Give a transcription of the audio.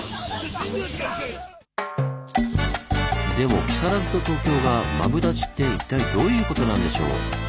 でも木更津と東京が「マブダチ」って一体どういうことなんでしょう？